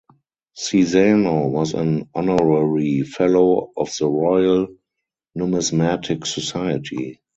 Cesano was an Honorary Fellow of the Royal Numismatic Society.